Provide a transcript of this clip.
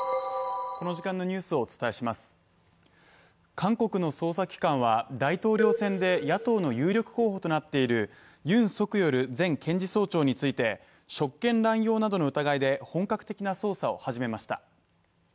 韓国の捜査機関は大統領選で野党の有力候補となっているユン・ソクヨル前検事総長について職権乱用などの疑いで本格的な捜査を始めました。